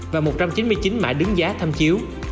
và một trăm chín mươi chín mạng đứng giá thâm chiếu